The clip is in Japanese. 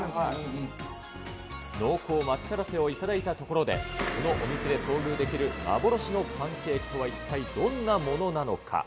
濃厚抹茶ラテを頂いたところで、このお店で遭遇できる幻のパンケーキとは一体どんなものなのか。